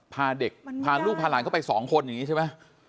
พาเด็กว่าลูกพาหล่านเข้าไป๒ทางนี้ใช่ไหมไม่ได้